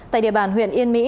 tại địa bàn huyện yên mỹ